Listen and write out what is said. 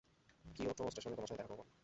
Kyoto স্টেশনে তোমার সাথে দেখা করবো আমি।